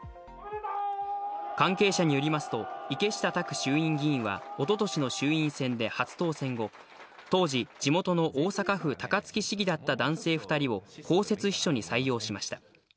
関係者によりますと池下卓衆院議員はおととしの衆院選で初当選後、当時、地元の大阪府高槻市議だった男性２人を公設秘書に採用しました。